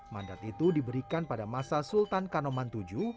mandat itu diberikan pada masa sultan kanoman ii